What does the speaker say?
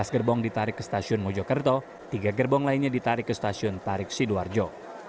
dua belas gerbong ditarik ke stasiun mojokerto tiga gerbong lainnya ditarik ke stasiun tarik sidoarjo